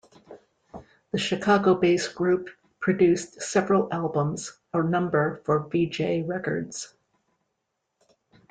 The Chicago-based group produced several albums, a number for Vee-Jay Records.